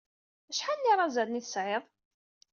Acḥal n yirazalen ay tesɛid?